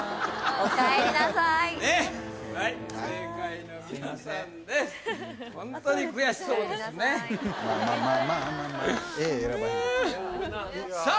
おかえりなさいさあ